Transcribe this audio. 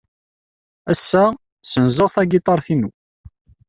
Ass-a, ssenzeɣ tagiṭart-inu.